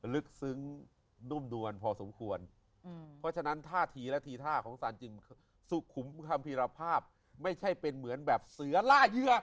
ลึกซึ้งนุ่มดวนพอสมควรเพราะฉะนั้นท่าทีและทีท่าของสารจริงคือสุขุมคัมภีรภาพไม่ใช่เป็นเหมือนแบบเสือล่าเยื่อ